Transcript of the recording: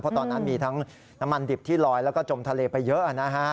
เพราะตอนนั้นมีทั้งน้ำมันดิบที่ลอยแล้วก็จมทะเลไปเยอะนะฮะ